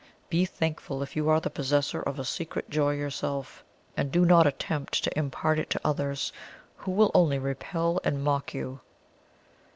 Be thankful if you are the possessor of a secret joy yourself, and do not attempt to impart it to others, who will only repel and mock you."